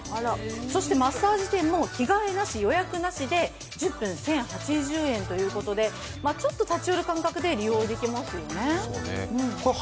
そしてマッサージ店も着替えなし予約なしで１０分１０８０円ということでちょっと立ち寄る感覚で利用できますよね。